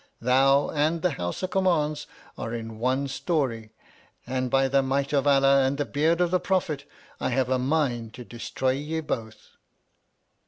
Thou and the Howsa Kummauns are in one story, and by the might of Allah and the beard of the Prophet, I have a mind to destroy ye both